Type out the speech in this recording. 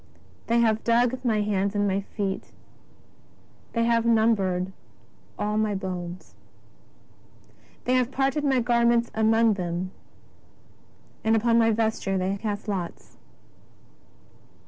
X ^' They have dug my hands and feet. They have numbered all my bones. They have parted my garments among them, and upon my ves ture they cast lots."